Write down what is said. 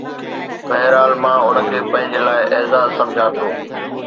بهرحال، مان ان کي پنهنجي لاءِ اعزاز سمجهان ٿو